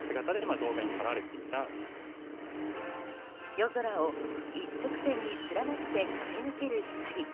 夜空を一直線に連なって駆け抜ける光。